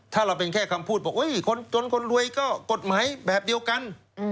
ถ้าเราเป็นแค่คำพูดบอกคนจนคนรวยก็กฎหมายแบบเดียวกัน